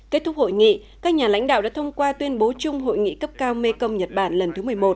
kết thúc hội nghị các nhà lãnh đạo đã thông qua tuyên bố chung hội nghị cấp cao mekong nhật bản lần thứ một mươi một